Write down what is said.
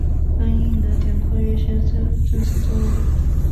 当阴影的点跨越线时就是正午。